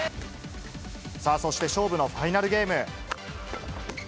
そして勝負のファイナルゲーム。